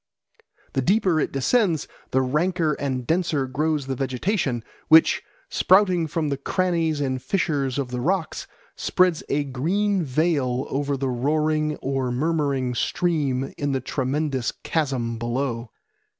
The deeper it descends, the ranker and denser grows the vegetation, which, sprouting from the crannies and fissures of the rocks, spreads a green veil over the roaring or murmuring stream in the tremendous chasm below.